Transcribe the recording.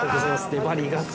粘り勝ち。